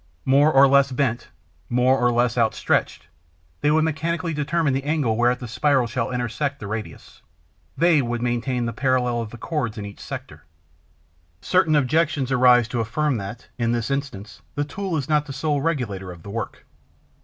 More or less bent, more or less outstretched, they would mechanically determine the angle whereat the spiral shall intersect the radius; they would maintain the parallel of the chords in each sector. Certain objections arise to affirm that, in this instance, the tool is not the sole regulator of the work.